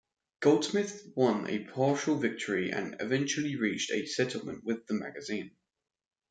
Goldsmith won a partial victory and eventually reached a settlement with the magazine.